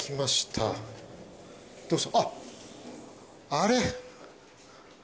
あれ？